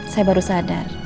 saya baru sedihnya